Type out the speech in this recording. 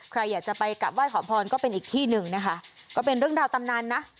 ใครอยากจะไปกลับไห้ขอพรก็เป็นอีกที่หนึ่งนะคะก็เป็นเรื่องราวตำนานนะ